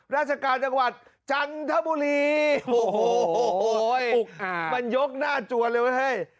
ราชการจังหวัดจันทบุรีโอ้โหมันยกหน้าจวนเลยว่าเฮ้ย